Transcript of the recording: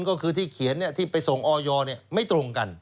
ก็คือที่เขียนที่ไปส่งออยไม่ตรงกัน